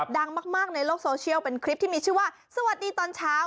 ดังมากในโลกโซเชียลเป็นคลิปที่มีชื่อว่าสวัสดีตอนเช้า